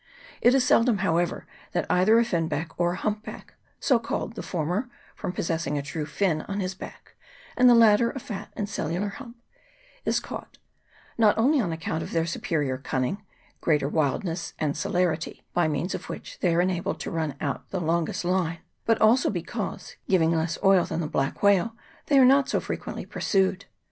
It is sel dom, however, that either a finback or a humpback (so called, the former from possessing a true fin on his back, and the latter a fat and cellular hump) is caught, not only on account of their superior cun ning, greater wildness and celerity, by means of which they are enabled to run out the longest line, but also because, giving less oil than the black whale, they are not so frequently pursued.